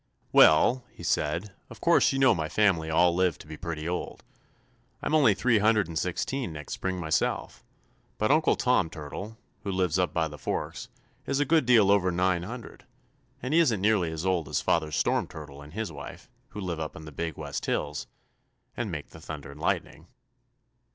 "'Well,' he said, 'of course you know my family all live to be pretty old. I'm only three hundred and sixteen next spring myself, but Uncle Tom Turtle, who lives up by the forks, is a good deal over nine hundred, and he isn't nearly as old as Father Storm Turtle and his wife, who live up in the Big West Hills, and make the thunder and lightning.'